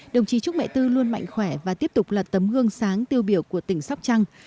đồng chí trúc mẹ tư luôn mạnh khỏe và tiếp tục là tấm gương sáng tiêu biểu của tỉnh sóc trăng